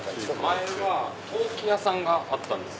前は陶器屋さんがあったんです。